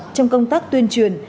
trong công tác tuyên truyền